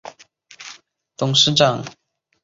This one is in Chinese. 担任齐星集团的董事长。